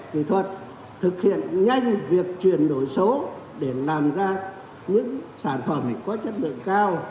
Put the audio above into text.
kỹ thuật thực hiện nhanh việc chuyển đổi số để làm ra những sản phẩm có chất lượng cao